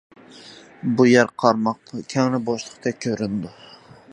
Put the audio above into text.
بۇ يەر قارماققا كەڭرى بوشلۇقتەك كۆرۈنىدۇ.